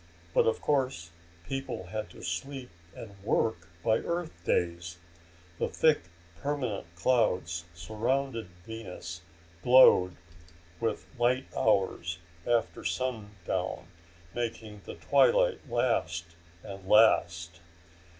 But of course people had to sleep and work by Earth days. The thick permanent clouds surrounding Venus glowed with light hours after sundown, making the twilight last and last.